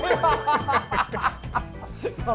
ハハハハッ！